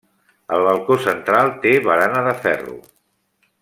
El balcó central té barana de ferro.